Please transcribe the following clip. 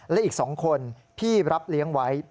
และอีก๒คนพี่รับเลี้ยงไว้